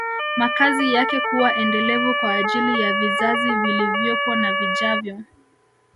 Makazi yake kuwa endelevu kwa ajili ya vizazi vilivyopo na vijavyo